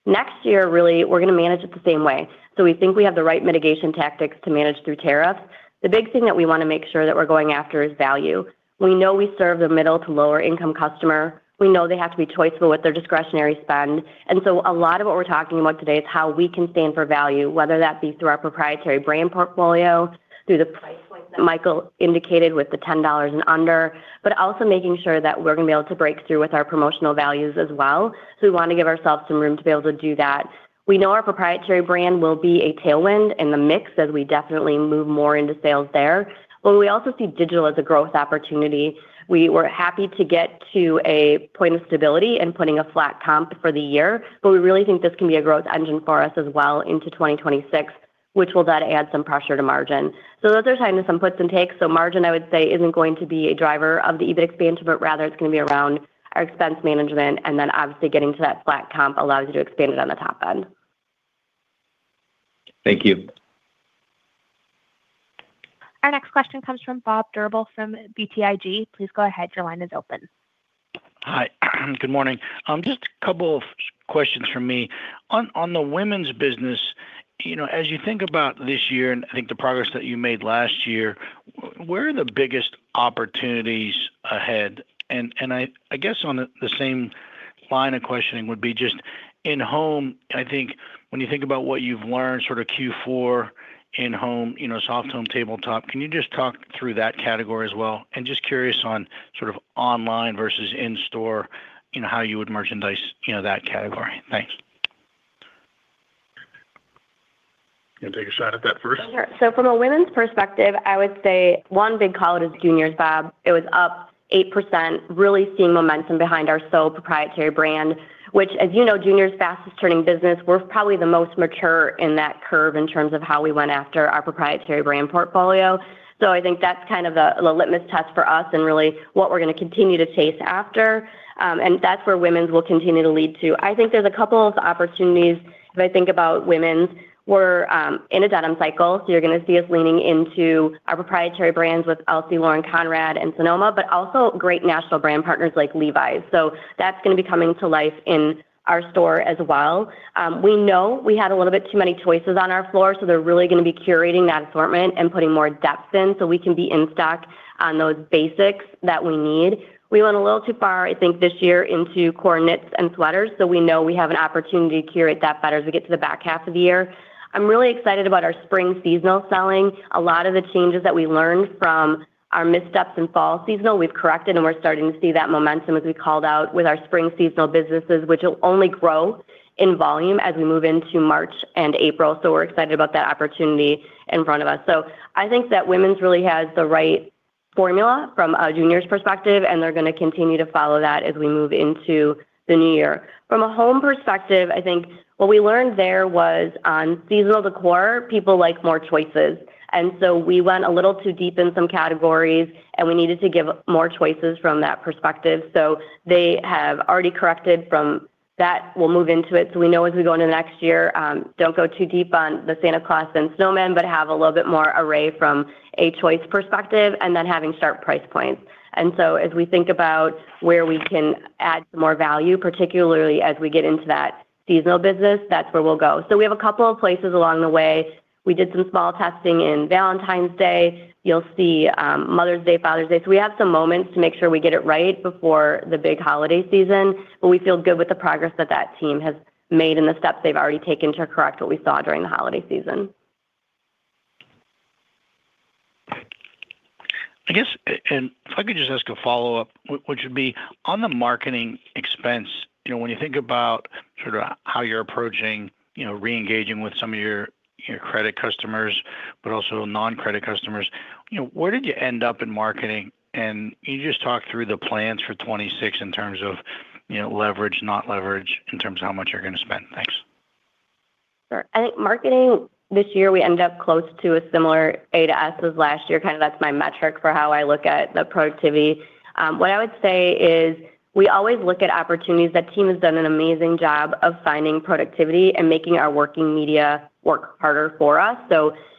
Next year, really, we're gonna manage it the same way. We think we have the right mitigation tactics to manage through tariff. The big thing that we wanna make sure that we're going after is value. We know we serve the middle to lower income customer. We know they have to be choiceful with their discretionary spend. A lot of what we're talking about today is how we can stand for value, whether that be through our proprietary brand portfolio, through the price points that Michael indicated with the $10 and under, but also making sure that we're gonna be able to break through with our promotional values as well. We wanna give ourselves some room to be able to do that. We know our proprietary brand will be a tailwind in the mix as we definitely move more into sales there. We also see digital as a growth opportunity. We were happy to get to a point of stability in putting a flat comp for the year, but we really think this can be a growth engine for us as well into 2026, which will then add some pressure to margin. Those are kind of some puts and takes. Margin, I would say, isn't going to be a driver of the EBIT expansion, but rather it's gonna be around our expense management, and then obviously getting to that flat comp allows you to expand it on the top end. Thank you. Our next question comes from Bob Drbul from BTIG. Please go ahead, your line is open. Hi. Good morning. Just a couple of questions from me. On the women's business, you know, as you think about this year and I think the progress that you made last year, where are the biggest opportunities ahebad? I guess on the same line of questioning would be just in-home, I think when you think about what you've learned sort of Q4 in-home, you know, soft home, tabletop, can you just talk through that category as well? Just curious on sort of online versus in-store, you know, how you would merchandise, you know, that category. Thanks. You wanna take a shot at that first? Sure. From a women's perspective, I would say one big call it is juniors, Bob. It was up 8%, really seeing momentum behind our SO proprietary brand, which as you know, juniors fastest turning business. We're probably the most mature in that curve in terms of how we went after our proprietary brand portfolio. I think that's kind of the litmus test for us and really what we're gonna continue to chase after. And that's where women's will continue to lead to. I think there's a couple of opportunities if I think about women's. We're in a denim cycle, so you're gonna see us leaning into our proprietary brands with LC Lauren Conrad and Sonoma, but also great national brand partners like Levi's. That's gonna be coming to life in our store as well. We know we had a little bit too many choices on our floor, so they're really gonna be curating that assortment and putting more depth in so we can be in stock on those basics that we need. We went a little too far, I think this year, into core knits and sweaters, so we know we have an opportunity to curate that better as we get to the back half of the year. I'm really excited about our spring seasonal selling. A lot of the changes that we learned from our missteps in fall seasonal, we've corrected and we're starting to see that momentum as we called out with our spring seasonal businesses, which will only grow in volume as we move into March and April. We're excited about that opportunity in front of us. I think that women's really has the right formula from a juniors perspective, and they're gonna continue to follow that as we move into the new year. From a home perspective, I think what we learned there was on seasonal decor, people like more choices. We went a little too deep in some categories, and we needed to give more choices from that perspective. They have already corrected from that. We'll move into it. We know as we go into next year, don't go too deep on the Santa Claus and snowmen, but have a little bit more array from a choice perspective and then having sharp price points. As we think about where we can add more value, particularly as we get into that seasonal business, that's where we'll go. We have a couple of places along the way. We did some small testing in Valentine's Day. You'll see, Mother's Day, Father's Day. We have some moments to make sure we get it right before the big holiday season. We feel good with the progress that team has made and the steps they've already taken to correct what we saw during the holiday season. If I could just ask a follow-up, which would be on the marketing expense, you know, when you think about sort of how you're approaching, you know, re-engaging with some of your credit customers, but also non-credit customers, you know, where did you end up in marketing? Can you just talk through the plans for 2026 in terms of, you know, leverage, not leverage, in terms of how much you're gonna spend? Thanks. Sure. I think marketing this year, we ended up close to a similar A to S as last year. Kinda that's my metric for how I look at the productivity. What I would say is we always look at opportunities. That team has done an amazing job of finding productivity and making our working media work harder for us.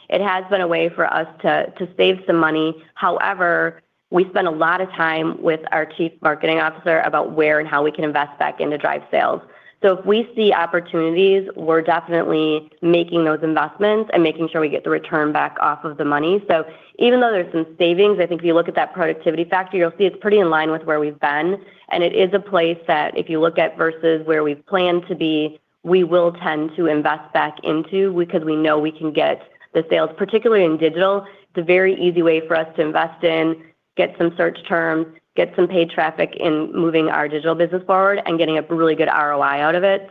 It has been a way for us to save some money. However, we spend a lot of time with our chief marketing officer about where and how we can invest back in to drive sales. If we see opportunities, we're definitely making those investments and making sure we get the return back off of the money. Even though there's some savings, I think if you look at that productivity factor, you'll see it's pretty in line with where we've been. It is a place that if you look at versus where we plan to be, we will tend to invest back into because we know we can get the sales, particularly in digital. It's a very easy way for us to invest in, get some search terms, get some paid traffic in moving our digital business forward and getting a really good ROI out of it.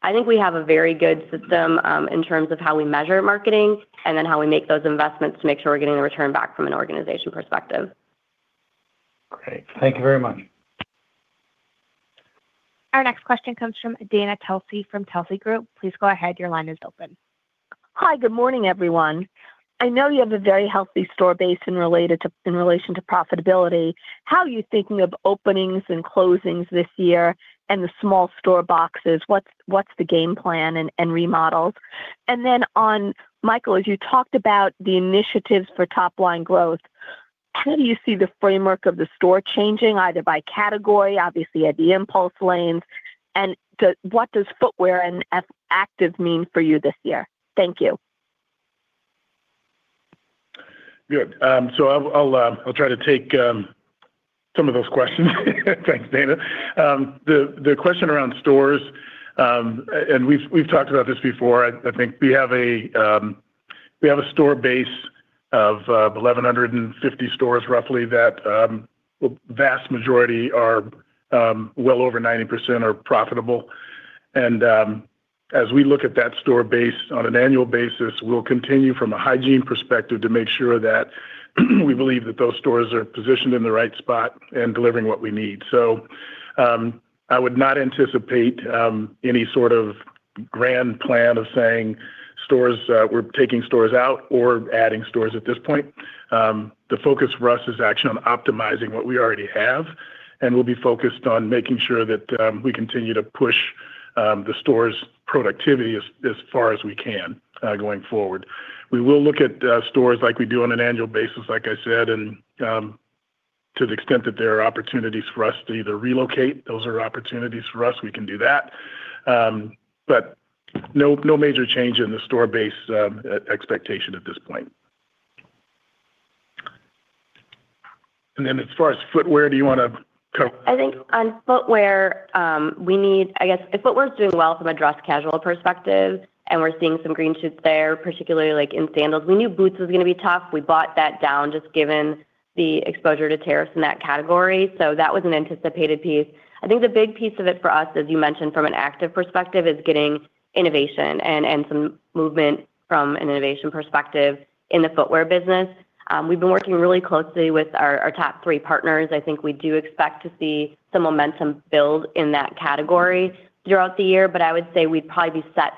I think we have a very good system, in terms of how we measure marketing and then how we make those investments to make sure we're getting a return back from an organization perspective. Great. Thank you very much. Our next question comes from Dana Telsey from Telsey Advisory Group. Please go ahead. Your line is open. Hi, good morning, everyone. I know you have a very healthy store base in relation to profitability. How are you thinking of openings and closings this year and the small store boxes? What's the game plan and remodels? Then, Michael, as you talked about the initiatives for top line growth, how do you see the framework of the store changing either by category, obviously at the impulse lanes? What does footwear and active mean for you this year? Thank you. Good. I'll try to take some of those questions. Thanks, Dana. The question around stores, and we've talked about this before, I think. We have a store base of 1,150 stores roughly that vast majority are well over 90% are profitable. As we look at that store base on an annual basis, we'll continue from a hygiene perspective to make sure that we believe that those stores are positioned in the right spot and delivering what we need. I would not anticipate any sort of grand plan of saying stores, we're taking stores out or adding stores at this point. The focus for us is actually on optimizing what we already have, and we'll be focused on making sure that we continue to push the store's productivity as far as we can going forward. We will look at stores like we do on an annual basis, like I said. To the extent that there are opportunities for us to either relocate, those are opportunities for us, we can do that. But no major change in the store base expectation at this point. As far as footwear, do you wanna co- I think on footwear is doing well from a dress casual perspective, and we're seeing some green shoots there, particularly like in sandals. We knew boots was gonna be tough. We brought that down just given the exposure to tariffs in that category. That was an anticipated piece. I think the big piece of it for us, as you mentioned from an active perspective, is getting innovation and some movement from an innovation perspective in the footwear business. We've been working really closely with our top three partners. I think we do expect to see some momentum build in that category throughout the year, but I would say we'd probably be set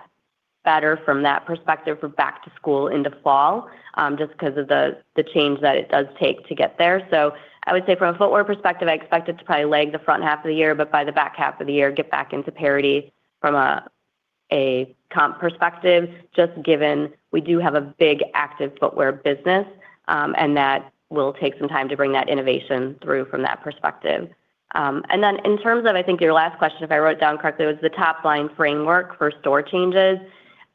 better from that perspective for back to school into fall, just because of the change that it does take to get there. I would say from a footwear perspective, I expect it to probably lag the front half of the year, but by the back half of the year, get back into parity from a comp perspective, just given we do have a big active footwear business, and that will take some time to bring that innovation through from that perspective. And then in terms of, I think your last question, if I wrote down correctly, was the top line framework for store changes.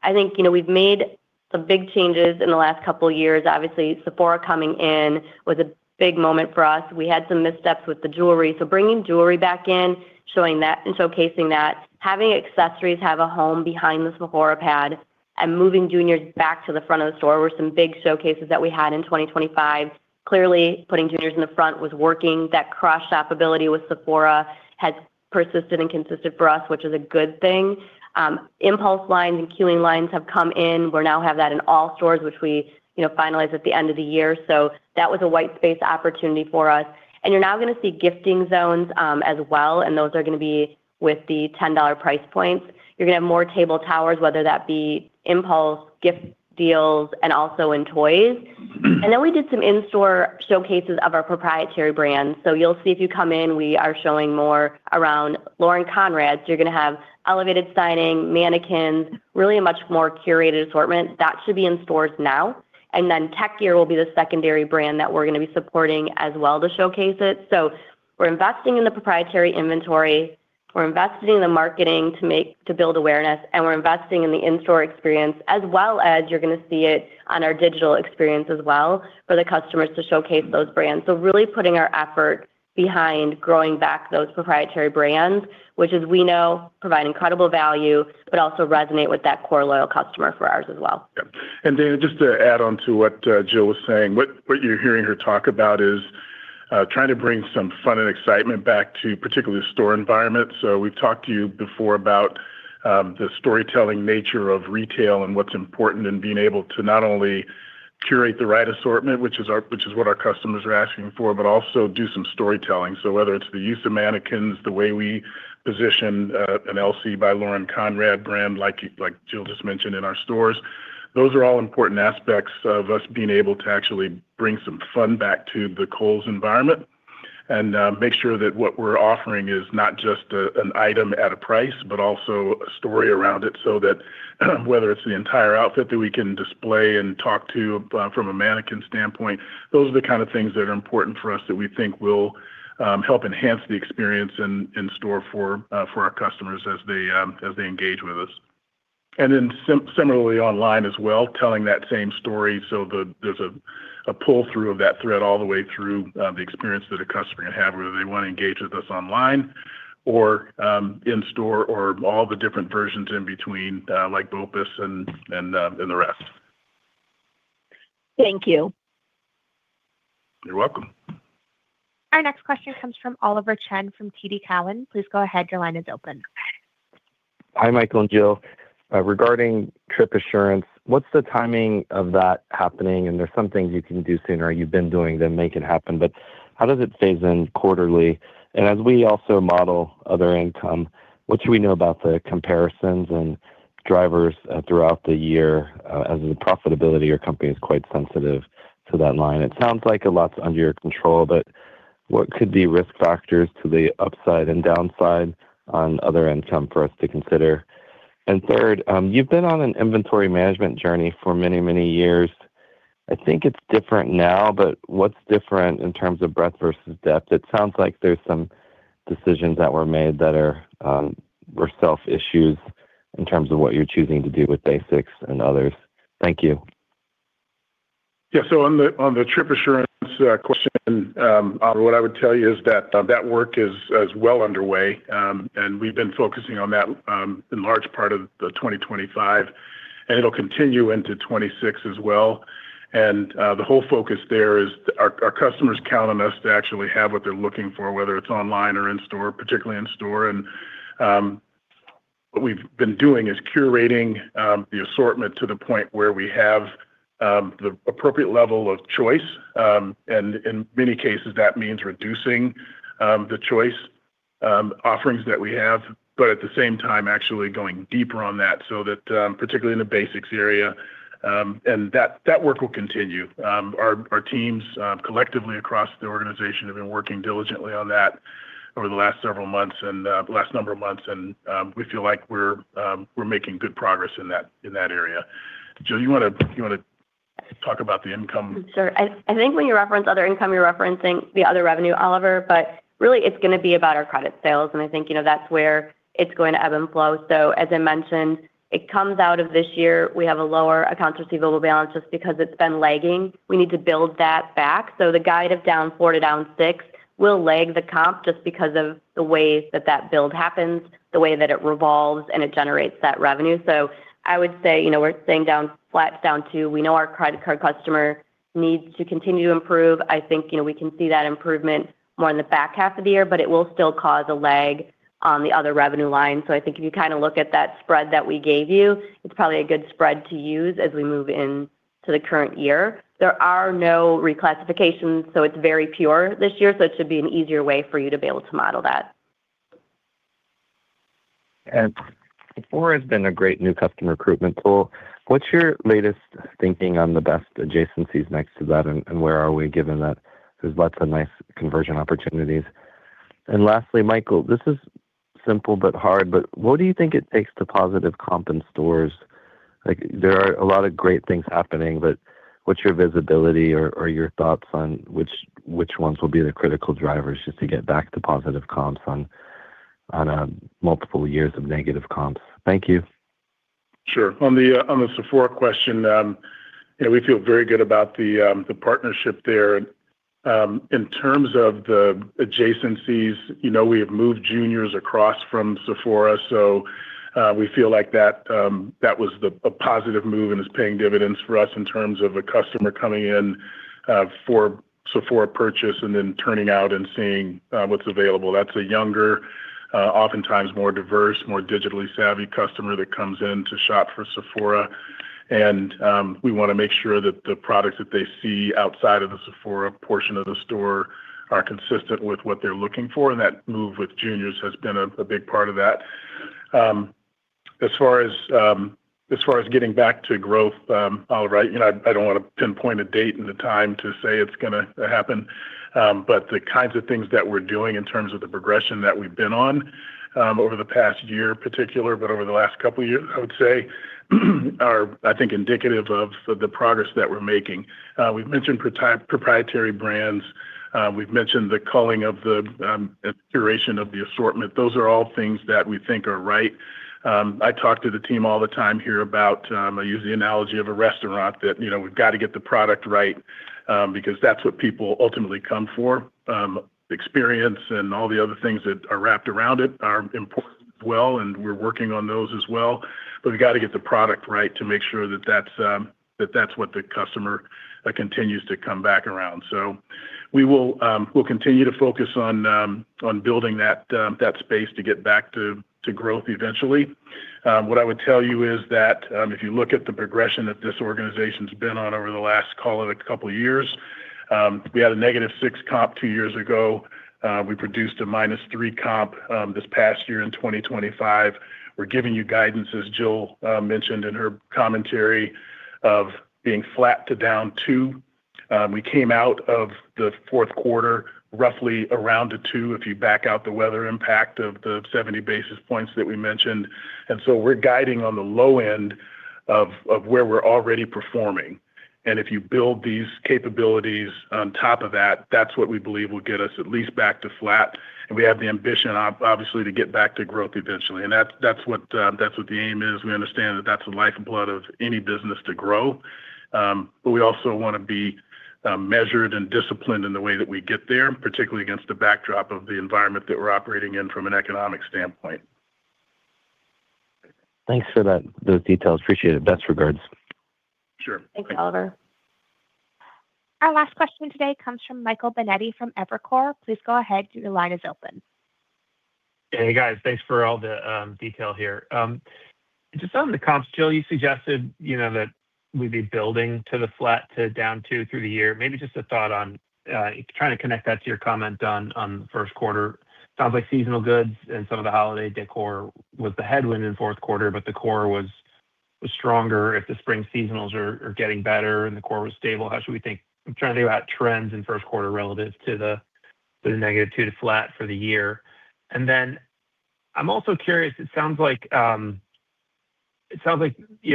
I think, you know, we've made some big changes in the last couple of years. Obviously, Sephora coming in was a big moment for us. We had some missteps with the jewelry. Bringing jewelry back in, showing that and showcasing that, having accessories have a home behind the Sephora pad. Moving juniors back to the front of the store were some big showcases that we had in 2025. Clearly, putting juniors in the front was working. That cross shop ability with Sephora has persisted and consisted for us, which is a good thing. Impulse lines and queuing lines have come in. We now have that in all stores, which we, you know, finalized at the end of the year. That was a white space opportunity for us. You're now gonna see gifting zones, as well, and those are gonna be with the $10 price points. You're gonna have more table towers, whether that be impulse gift deals and also in toys. We did some in-store showcases of our proprietary brands. You'll see if you come in, we are showing more around LC Lauren Conrad. You're gonna have elevated signing, mannequins, really a much more curated assortment that should be in stores now. Then Tek Gear will be the secondary brand that we're gonna be supporting as well to showcase it. We're investing in the proprietary inventory, we're investing in the marketing to build awareness, and we're investing in the in-store experience, as well as you're gonna see it on our digital experience as well for the customers to showcase those brands. Really putting our effort behind growing back those proprietary brands, which as we know, provide incredible value, but also resonate with that core loyal customer for ours as well. Yep. Dana, just to add on to what Jill was saying. What you're hearing her talk about is trying to bring some fun and excitement back to particularly the store environment. We've talked to you before about the storytelling nature of retail and what's important in being able to not only curate the right assortment, which is what our customers are asking for, but also do some storytelling. Whether it's the use of mannequins, the way we position an LC Lauren Conrad brand, like Jill just mentioned in our stores, those are all important aspects of us being able to actually bring some fun back to the Kohl's environment and make sure that what we're offering is not just an item at a price, but also a story around it, so that whether it's the entire outfit that we can display and talk to from a mannequin standpoint, those are the kind of things that are important for us that we think will help enhance the experience in store for our customers as they engage with us. Similarly online as well, telling that same story. There's a pull through of that thread all the way through the experience that a customer can have, whether they wanna engage with us online or in store or all the different versions in between, like BOPUS and the rest. Thank you. You're welcome. Our next question comes from Oliver Chen from TD Cowen. Please go ahead. Your line is open. Hi, Michael and Jill. Regarding Trip Assurance, what's the timing of that happening? There's some things you can do sooner, you've been doing to make it happen, but how does it phase in quarterly? As we also model other income, what should we know about the comparisons and drivers throughout the year, as the profitability, your company is quite sensitive to that line. It sounds like a lot's under your control, but what could be risk factors to the upside and downside on other income for us to consider? Third, you've been on an inventory management journey for many, many years. I think it's different now, but what's different in terms of breadth versus depth? It sounds like there's some decisions that were made that were self-issues in terms of what you're choosing to do with basics and others. Thank you. Yeah. On the Trip Assurance question, Oliver, what I would tell you is that that work is well underway, and we've been focusing on that in large part of the 2025, and it'll continue into 2026 as well. The whole focus there is our customers count on us to actually have what they're looking for, whether it's online or in store, particularly in store. What we've been doing is curating the assortment to the point where we have the appropriate level of choice, and in many cases, that means reducing the choice offerings that we have, but at the same time, actually going deeper on that so that particularly in the basics area, and that work will continue. Our teams collectively across the organization have been working diligently on that over the last several months and the last number of months. We feel like we're making good progress in that area. Jill, you wanna talk about the income? Sure. I think when you reference other income, you're referencing the other revenue, Oliver, but really it's gonna be about our credit sales. I think, you know, that's where it's going to ebb and flow. As I mentioned, coming out of this year, we have a lower accounts receivable balance just because it's been lagging. We need to build that back. The guide of down 4%-6% will lag the comp just because of the way that build happens, the way that it revolves, and it generates that revenue. I would say, you know, we're staying down flat to down 2%. We know our credit card customer needs to continue to improve. I think, you know, we can see that improvement more in the back half of the year, but it will still cause a lag on the other revenue line. I think if you kinda look at that spread that we gave you, it's probably a good spread to use as we move into the current year. There are no reclassifications, so it's very pure this year, so it should be an easier way for you to be able to model that. Sephora has been a great new customer recruitment tool. What's your latest thinking on the best adjacencies next to that and where are we given that there's lots of nice conversion opportunities? Lastly, Michael, this is simple but hard, what do you think it takes to positive comp in stores? Like, there are a lot of great things happening, but what's your visibility or your thoughts on which ones will be the critical drivers just to get back to positive comps on multiple years of negative comps? Thank you. Sure. On the Sephora question, you know, we feel very good about the partnership there and in terms of the adjacencies, you know, we have moved juniors across from Sephora, so we feel like that a positive move and is paying dividends for us in terms of a customer coming in for Sephora purchase and then turning out and seeing what's available. That's a younger, oftentimes more diverse, more digitally savvy customer that comes in to shop for Sephora. We wanna make sure that the products that they see outside of the Sephora portion of the store are consistent with what they're looking for, and that move with juniors has been a big part of that. As far as getting back to growth, you know, I don't wanna pinpoint a date and a time to say it's gonna happen, but the kinds of things that we're doing in terms of the progression that we've been on over the past year in particular, but over the last couple of years, I would say are, I think, indicative of the progress that we're making. We've mentioned proprietary brands, we've mentioned the culling and curation of the assortment. Those are all things that we think are right. I talk to the team all the time here about, I use the analogy of a restaurant that, you know, we've got to get the product right, because that's what people ultimately come for. Experience and all the other things that are wrapped around it are important as well, and we're working on those as well. We got to get the product right to make sure that that's what the customer continues to come back around. We will continue to focus on building that space to get back to growth eventually. What I would tell you is that if you look at the progression that this organization has been on over the last, call it a couple of years, we had a -6% comp two years ago. We produced a -3% comp this past year in 2025. We're giving you guidance, as Jill mentioned in her commentary, of being flat to down 2%. We came out of the fourth quarter roughly around a two if you back out the weather impact of the 70 basis points that we mentioned. We're guiding on the low end of where we're already performing. If you build these capabilities on top of that's what we believe will get us at least back to flat. We have the ambition obviously to get back to growth eventually. That's what the aim is. We understand that that's the lifeblood of any business to grow. We also wanna be measured and disciplined in the way that we get there, particularly against the backdrop of the environment that we're operating in from an economic standpoint. Thanks for that, those details. Appreciate it. Best regards. Sure. Thanks, Oliver. Our last question today comes from Michael Binetti from Evercore ISI. Please go ahead. Your line is open. Hey, guys. Thanks for all the detail here. Just on the comps, Jill, you suggested, you know, that we'd be building to the flat to down 2% through the year. Maybe just a thought on trying to connect that to your comment on first quarter. Sounds like seasonal goods and some of the holiday decor was the headwind in fourth quarter, but the core was stronger. If the spring seasonals are getting better and the core was stable, how should we think, I'm trying to think about trends in first quarter relative to the -2% to flat for the year. I'm also curious, it sounds like you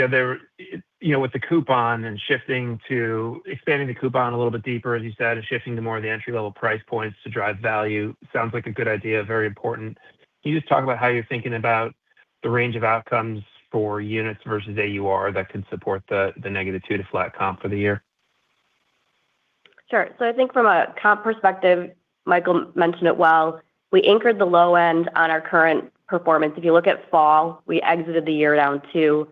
know there you know with the coupon and shifting to expanding the coupon a little bit deeper, as you said, and shifting to more of the entry-level price points to drive value, sounds like a good idea. Very important. Can you just talk about how you're thinking about the range of outcomes for units versus AUR that could support the -2% to flat comp for the year? Sure. I think from a comp perspective, Michael mentioned it well. We anchored the low end on our current performance. If you look at fall, we exited the year down two.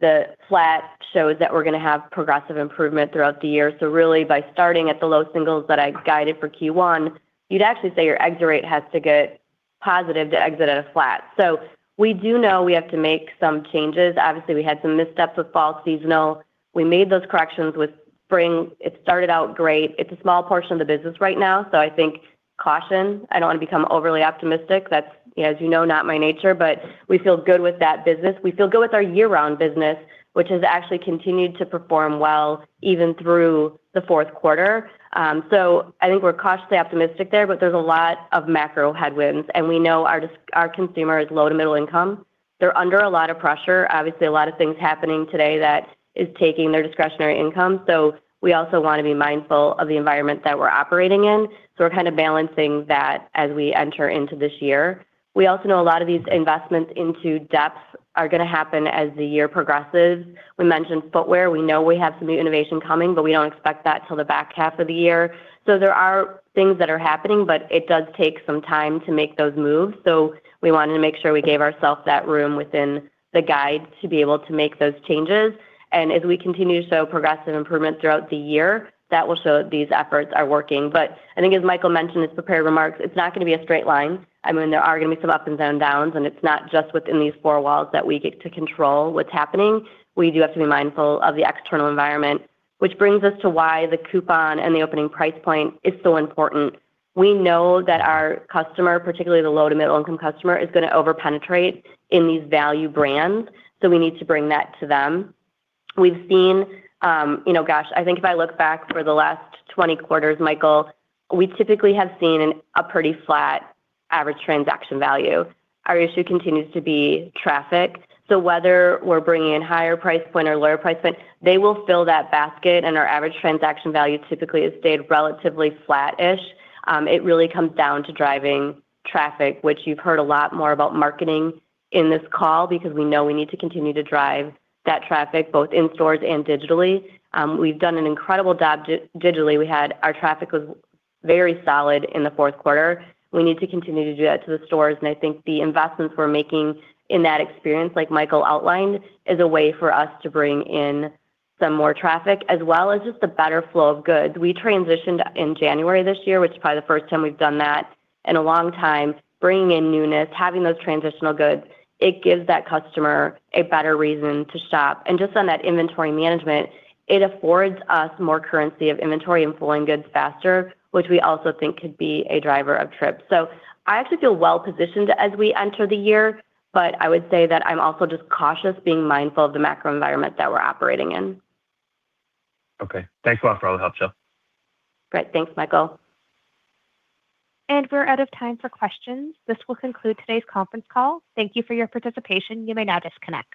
The flat shows that we're gonna have progressive improvement throughout the year. Really by starting at the low single digits that I guided for Q1, you'd actually say your exit rate has to get positive to exit at a flat. We do know we have to make some changes. Obviously, we had some missteps with fall seasonal. We made those corrections with spring. It started out great. It's a small portion of the business right now, so I think caution. I don't wanna become overly optimistic. That's, as you know, not my nature. We feel good with that business We feel good with our year-round business, which has actually continued to perform well even through the fourth quarter. I think we're cautiously optimistic there, but there's a lot of macro headwinds, and we know our consumer is low to middle income. They're under a lot of pressure. Obviously, a lot of things happening today that is taking their discretionary income. We also wanna be mindful of the environment that we're operating in. We're kind of balancing that as we enter into this year. We also know a lot of these investments into depth are gonna happen as the year progresses. We mentioned footwear. We know we have some new innovation coming, but we don't expect that till the back half of the year. There are things that are happening, but it does take some time to make those moves. We wanted to make sure we gave ourselves that room within the guide to be able to make those changes. As we continue to show progressive improvement throughout the year, that will show these efforts are working. I think as Michael mentioned in his prepared remarks, it's not gonna be a straight line. I mean, there are gonna be some ups and downs, and it's not just within these four walls that we get to control what's happening. We do have to be mindful of the external environment, which brings us to why the coupon and the opening price point is so important. We know that our customer, particularly the low to middle income customer, is gonna over-penetrate in these value brands, so we need to bring that to them. We've seen, you know, gosh, I think if I look back for the last 20 quarters, Michael, we typically have seen a pretty flat average transaction value. Our issue continues to be traffic. Whether we're bringing in higher price point or lower price point, they will fill that basket, and our average transaction value typically has stayed relatively flat-ish. It really comes down to driving traffic, which you've heard a lot more about marketing in this call because we know we need to continue to drive that traffic both in stores and digitally. We've done an incredible job digitally. Our traffic was very solid in the fourth quarter. We need to continue to do that to the stores, and I think the investments we're making in that experience, like Michael outlined, is a way for us to bring in some more traffic as well as just a better flow of goods. We transitioned in January this year, which is probably the first time we've done that in a long time, bringing in newness, having those transitional goods. It gives that customer a better reason to shop. Just on that inventory management, it affords us more currency of inventory and flowing goods faster, which we also think could be a driver of trips. I actually feel well positioned as we enter the year, but I would say that I'm also just cautious being mindful of the macro environment that we're operating in. Okay. Thanks a lot for all the help, Jill. Great. Thanks, Michael. We're out of time for questions. This will conclude today's conference call. Thank you for your participation. You may now disconnect.